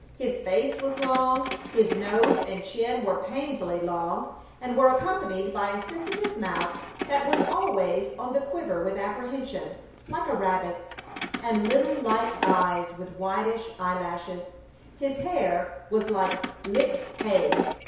His face was long, his nose and chin were painfully long, and were accompanied by a sensitive mouth that was always on the quiver with apprehension, like a rabbit's, and little light eyes with whitish eyelashes. His hair was like licked hay.